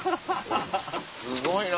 すごいな！